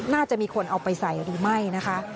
น่าจะมีคนเอาไปใส่ดูไหม้นะคะ